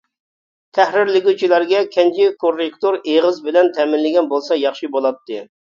تەھرىرلىگۈچلەرگە كەنجى كوررېكتور ئېغىز بىلەن تەمىنلىگەن بولسا ياخشى بولاتتى.